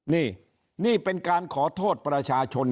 นี่นี่เป็นการขอโทษประชาชน